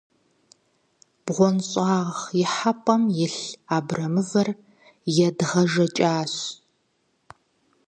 БгъуэнщӀагъ ихьэпӀэм Ӏулъ абрэмывэр едгъэжэкӏащ.